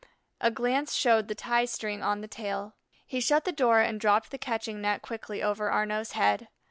A glance showed the tie string on the tail. He shut the door and dropped the catching net quickly over Arnaux's head.